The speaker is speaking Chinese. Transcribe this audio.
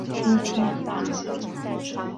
本县大部份土地均由印第安人保留地组成。